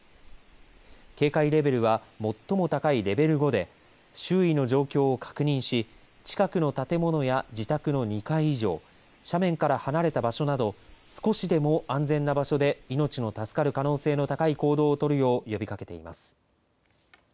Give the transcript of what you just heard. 警戒レベルは最も高いレベル５で周囲の状況を確認し近くの建物や自宅の２階以上斜面から離れた場所など少しでも安全な場所で命の助かる可能性の高い行動を取る行動を呼びかけています。